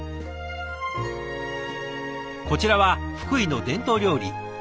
こちらは福井の伝統料理へしこ。